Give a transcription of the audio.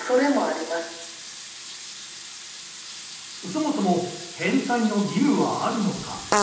そもそも返済の義務はあるのか。